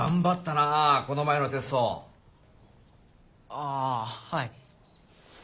ああはい。